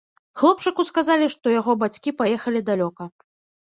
Хлопчыку сказалі, што яго бацькі паехалі далёка.